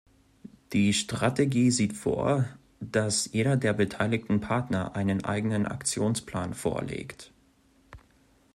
Die Strategie sieht vor, dass jeder der beteiligten Partner einen eigenen Aktionsplan vorlegt.